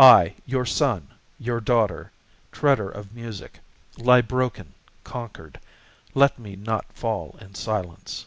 I, your son, your daughter, treader of music, Lie broken, conquered.... Let me not fall in silence.